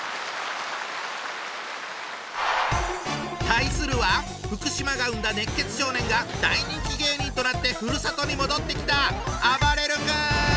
対するは福島が生んだ熱血少年が大人気芸人となってふるさとに戻ってきた！